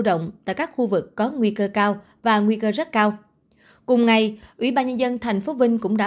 rộng tại các khu vực có nguy cơ cao và nguy cơ rất cao cùng ngày ủy ban nhân dân tp vinh cũng đã